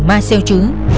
mà xeo trứng